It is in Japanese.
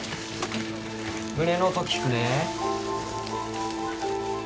胸の音聞くね。